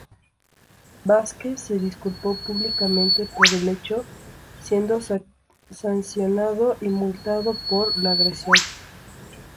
Vásquez se disculpó públicamente por el hecho, siendo sancionado y multado por la agresión.